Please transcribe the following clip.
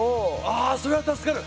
あそれは助かる！